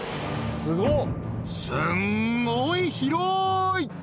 すんごい広い！